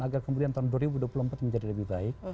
agar kemudian tahun dua ribu dua puluh empat menjadi lebih baik